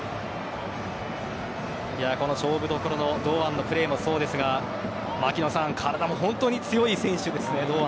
この勝負どころの堂安のプレーもそうですが体も本当に強い選手ですね、堂安。